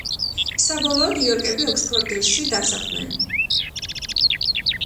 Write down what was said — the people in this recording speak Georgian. საბოლოოდ, იორკები ოქსფორდშირში დასახლდნენ.